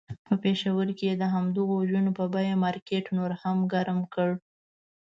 په پېښور کې یې د همدغو وژنو په بیه مارکېټ نور هم ګرم کړ.